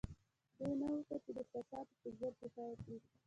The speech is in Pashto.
دوی نه غوښتل چې د احساساتو په زور دفاع وکړي.